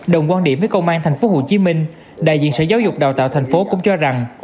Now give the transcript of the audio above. đồng quan điểm với công an tp hcm đại diện sở giáo dục đào tạo tp hcm cũng cho rằng